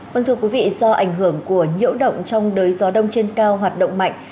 vâng thưa quý vị do ảnh hưởng của nhiễu động trong đới gió đông trên cao hoạt động mạnh